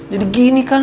jadi gini kan